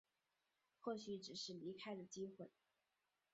或许只是离开的机会